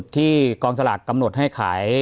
ที่กรองศาลักษณ์ที่กำหนดให้ขาย